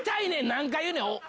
何回言うねん！